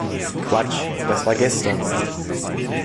Quatsch, das war gestern!